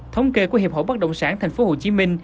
thống kê của hiệp hội bất động sản tp hcm